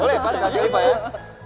boleh pak sekali sekali pak